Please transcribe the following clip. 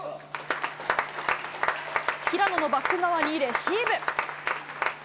平野のバック側にレシーブ。